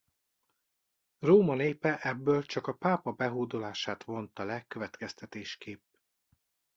Róma népe ebből csak a pápa behódolását vonta le következtetésképp.